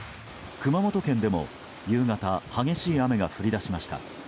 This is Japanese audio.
熊本県でも夕方激しい雨が降り出しました。